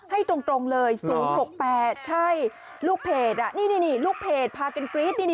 ให้ตรงเลย๐๖๘ใช่ลูกเพจนี่ลูกเพจพากันกรี๊ด